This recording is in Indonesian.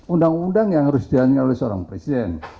undang undang yang harus dialami oleh seorang presiden